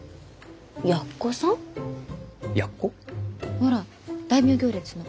ほら大名行列の。